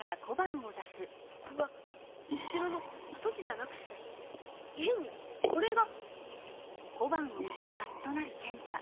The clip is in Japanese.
ここがお城のあと地じゃなくったってげんにこれが。